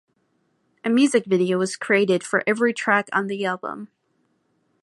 A music video was created for every track on the album.